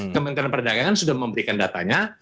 kementerian perdagangan sudah memberikan datanya